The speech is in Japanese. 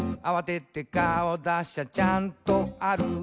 「あわてて顔だしゃちゃんとある」